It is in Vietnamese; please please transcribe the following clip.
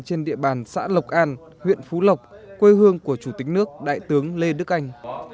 trên địa bàn xã lộc an huyện phú lộc quê hương của chủ tịch nước đại tướng lê đức anh